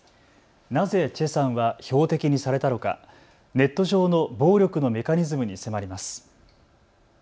なぜ崔さんは標的にされたのか、ネット上の暴力のメカニズムに迫ります。